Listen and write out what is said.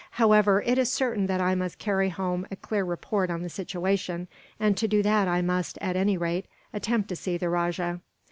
However, it is certain that I must carry home a clear report on the situation; and to do that I must, at any rate, attempt to see the rajah.